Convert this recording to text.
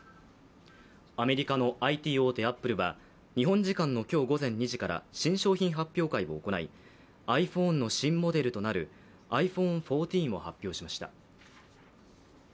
アメリカのＩＴ大手アップルは日本時間の今日午前２時から新商品発表会を行いｉＰｈｏｎｅの新モデルとなるｉＰｈｏｎｅ１４を発表しました。